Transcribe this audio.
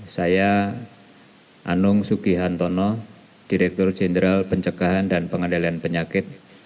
saya anung suki hantono direktur jenderal pencegahan dan pengadilan penyakit